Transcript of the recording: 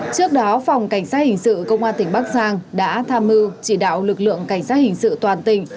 trước đó phòng cảnh sát hình sự công an tỉnh bắc giang đã tham mưu chỉ đạo lực lượng cảnh sát hình sự toàn tỉnh